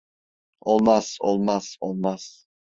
Olmaz, olmaz, olmaz.